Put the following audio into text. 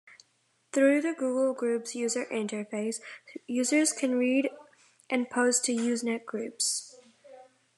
Through the Google Groups user interface, users can read and post to Usenet groups.